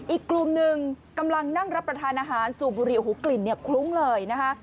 อีกกลุ่มหนึ่งกำลังนั่งรับประทานอาหารสูบบุหรี่โอ้โหกลิ่นเนี่ยคลุ้งเลยนะคะ